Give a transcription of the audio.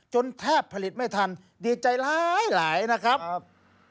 จนแทบผลิตไม่ทันดีใจหลายนะครับ